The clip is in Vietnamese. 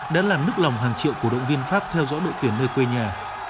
đã làm nức lòng hàng triệu cổ động viên pháp theo dõi đội tuyển nơi quê nhà